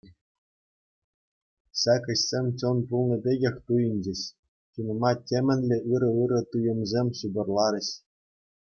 Ҫак ӗҫсем чӑн пулнӑ пекех туйӑнчӗҫ, чунӑма темӗнле ырӑ-ырӑ туйӑмсем ҫупӑрларӗҫ.